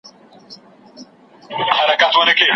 بس مرور له سولي ښه یو پخلا نه سمیږو